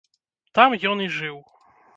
Там ён і жыў.